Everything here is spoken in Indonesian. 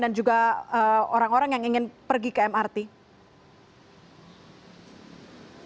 dan juga orang orang yang ingin pergi ke mrt